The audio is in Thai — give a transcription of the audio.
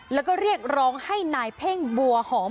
แล้วก็เรียกร้องให้นายเพ่งบัวหอม